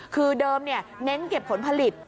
คือเดิมเน้นเก็บผลผลิต